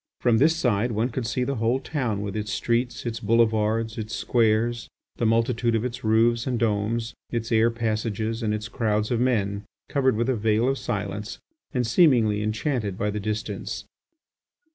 From this side one could see the whole town with its streets, its boulevards, its squares, the multitude of its roofs and domes, its air passages, and its crowds of men, covered with a veil of silence, and seemingly enchanted by the distance.